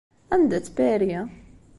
Anda-tt Paris?